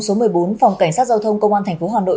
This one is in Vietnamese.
số một mươi bốn phòng cảnh sát giao thông công an tp hà nội